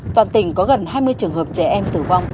toàn tỉnh có gần hai mươi trường hợp trẻ em tử vong